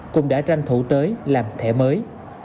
cũng đã tranh thủ tới làm thẻ mới